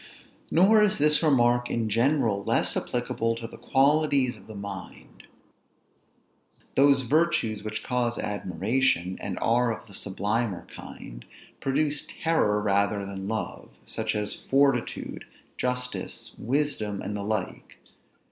Nor is this remark in general less applicable to the qualities of the mind. Those virtues which cause admiration, and are of the sublimer kind, produce terror rather than love; such as fortitude, justice, wisdom, and the like.